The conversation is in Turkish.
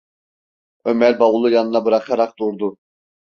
Ömer bavulu yanına bırakarak durdu: